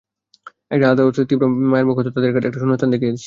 একটা আলাদা অথচ তীব্র মায়ার মুখ হয়তো তাদের মাঝে একটা শূন্যস্থান দেখিয়েছিল।